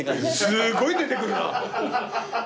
すごい出てくるな。